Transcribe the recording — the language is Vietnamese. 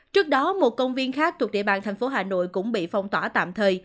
trước đó một công viên khác thuộc địa bàn thành phố hà nội cũng bị phong tỏa tạm thời